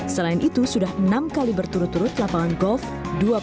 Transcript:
selain itu sudah enam kali berturut turut lapangan golf dua puluh tujuh hole ini menjadi titik